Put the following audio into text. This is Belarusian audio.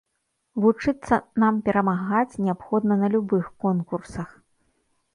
Вучыцца нам перамагаць неабходна на любых конкурсах.